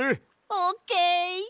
オッケー！